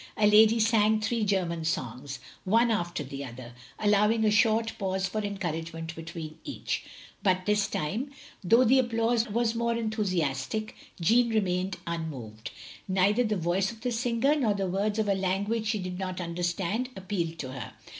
A lady sang three German songs, one after the other, allowing a short pause for encouragement between each; but this time, though the applause was more enthusiastic, Jeanne remained tmmoved; neither the voice of the singer, nor the words of a language she did not understand, appealed to her.